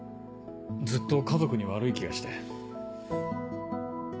ずっと家族に悪い気がして。